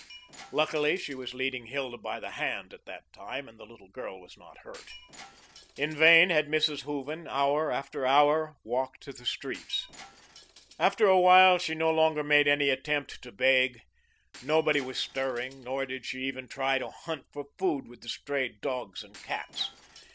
Luckily she was leading Hilda by the hand at the time and the little girl was not hurt. In vain had Mrs. Hooven, hour after hour, walked the streets. After a while she no longer made any attempt to beg; nobody was stirring, nor did she even try to hunt for food with the stray dogs and cats.